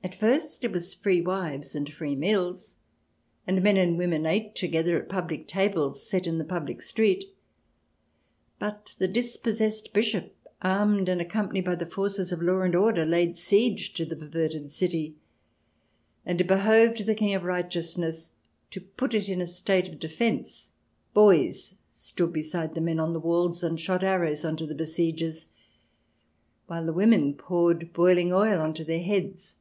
... At first it was free wives and free meals, and men and women ate together at public tables set in the public street. But the dispossessed Bishop, armed and accompanied by the forces of law and order, laid siege to the perverted city, and it behoved the King of Righteousness to put it in a state of defence. Boys stood beside the men on the walls and shot arrows on to the besiegers, while the women poured boiling oil on to their heads.